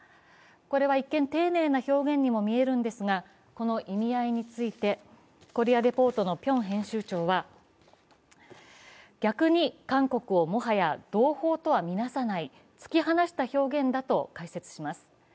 これは一見、丁寧な表現にも見えるんですが、この意味合いについてコリア・レポートの辺編集長は逆に韓国をもはや同胞とはみなさない突き放した表現だと解説します。